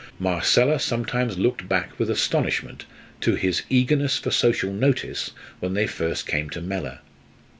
Marcella sometimes looked back with astonishment to his eagerness for social notice when they first came to Mellor.